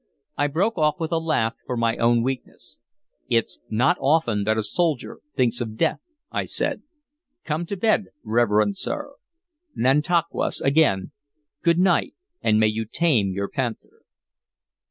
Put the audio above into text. I broke off with a laugh for my own weakness. "It's not often that a soldier thinks of death," I said. "Come to bed, reverend sir. Nantauquas, again, good night, and may you tame your panther!"